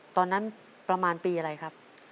ตอนนั้นประมาณปีอะไรครับ